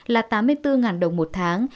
là tám mươi bốn đồng một tháng